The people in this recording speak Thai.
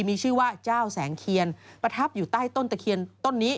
มีชื่อว่าเจ้าแสงเทียนประทับอยู่ใต้ต้นตะเคียนต้นนี้